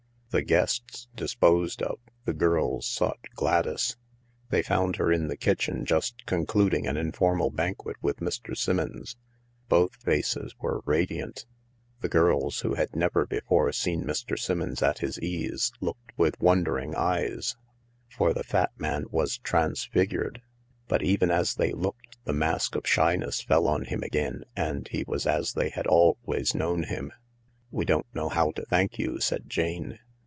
The guests disposed of, the girls sought Gladys. They found her in the kitchen just concluding an informal banquet with Mr. Simmons. Both faces were radiant. The girls, who had never before seen Mr. Simmons at his ease, looked with wondering eyes, for the fat man was trans figured. But even as they looked the mask of shyness fell on him again, and he was as they had always known him. " We don't know how to thank you," said Jane.